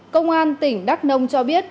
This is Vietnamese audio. công an tỉnh đắk nông cho biết